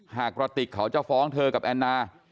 กระติกเขาจะฟ้องเธอกับแอนนา